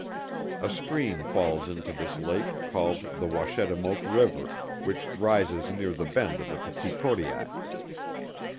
A stream falls into this lake, called the Washademoak river, which rises near the bend of the Peticodiac.